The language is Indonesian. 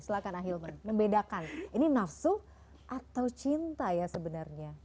silahkan ahilman membedakan ini nafsu atau cinta ya sebenarnya